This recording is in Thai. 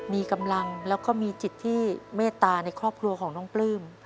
มีกำลังแล้วก็มีจิตที่เมตตาในครอบครัวของน้องปลื้ม